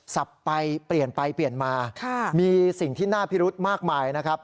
สับไปเปลี่ยนไปเปลี่ยนมามีสิ่งที่น่าพิรุธมากมายนะครับ